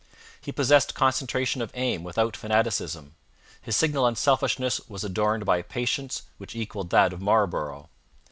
He possessed concentration of aim without fanaticism. His signal unselfishness was adorned by a patience which equalled that of Marlborough.